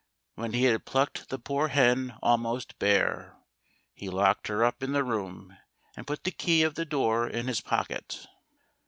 When he had plucked the poor hen almost bare, he locked her up in the room and put the key of the door in his pocket.